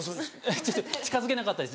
ちょっと近づけなかったです